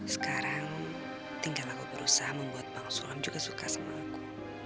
sekarang tinggal aku berusaha membuat bang sulam juga suka sama aku